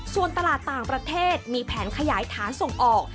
ส่วนตลาดต่างประเทศมีแผนขยายฐานส่งออก